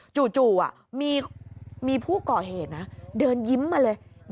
จู่มีผู้ก่อเหตุนะเดินยิ้มมาเลย